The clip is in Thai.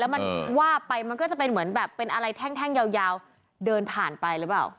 มันว่าไปมันก็จะเป็นเหมือนแบบเป็นอะไรแท่งยาวเดินผ่านไปหรือเปล่า